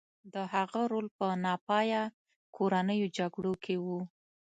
د هغه رول په ناپایه کورنیو جګړو کې و.